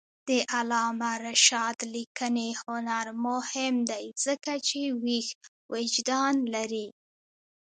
د علامه رشاد لیکنی هنر مهم دی ځکه چې ویښ وجدان لري.